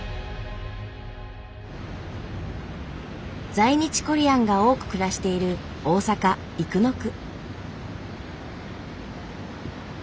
在日コリアンが多く暮らしている大阪生野区。